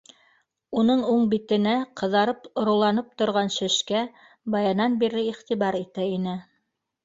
Уның уң Битенә, ҡыҙарып, ороланып торған шешкә, баянан бирле Ютибар итә ине